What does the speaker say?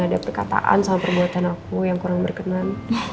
ada perkataan sama perbuatan aku yang kurang berkenan